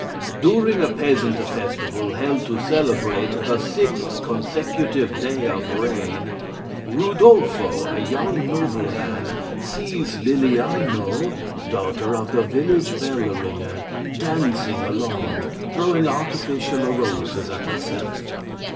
_ During a peasant festival held to celebrate the sixth consecutive day of rain, Rudolpho, a young nobleman, sees Lilliano, daughter of the village bell ringer, dancing along throwing artificial roses at herself.